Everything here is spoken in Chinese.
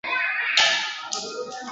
马礼逊学堂是中国第一所西式学堂。